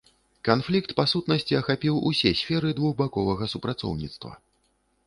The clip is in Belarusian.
Канфлікт па сутнасці ахапіў усе сферы двухбаковага супрацоўніцтва.